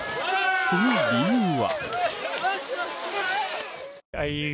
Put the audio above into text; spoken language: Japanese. その理由は。